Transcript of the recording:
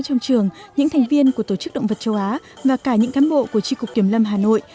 trong trường những thành viên của tổ chức động vật châu á và cả những cán bộ của tri cục kiểm lâm hà nội